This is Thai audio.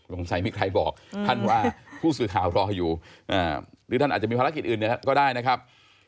สงสัยมีใครบอกท่านว่าผู้สื่อข่าวรออยู่หรือท่านอาจจะมีภารกิจอื่นก็ได้นะครับ